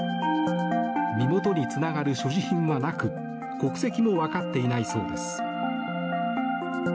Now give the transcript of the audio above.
身元につながる所持品はなく国籍も分かっていないそうです。